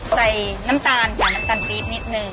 ใส่น้ำตาลค่ะน้ำตาลปี๊บนิดนึง